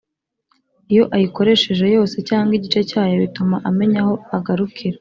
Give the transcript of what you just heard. Iyo ayikoresheje yose cyangwa igice cyayo bituma amenya aho agarukira